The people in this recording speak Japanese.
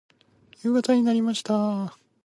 夕方になりました。